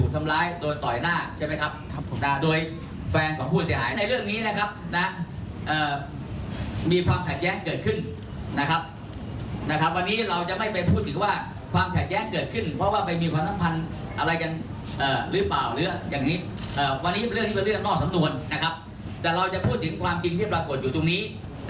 แต่เราจะพูดถึงความจริงที่ปรากฏอยู่ตรงนี้